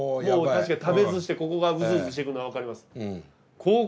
確かに食べずしてここがウズウズしてくるのわかります。